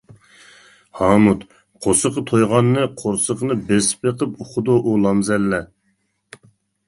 ھامۇت:قورسىقى تويغاننى قورسىقىنى بېسىپ بېقىپ ئۇقىدۇ ئۇ لامزەللە.